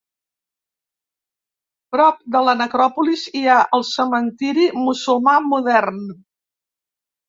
Prop de la necròpolis hi ha el cementiri musulmà modern.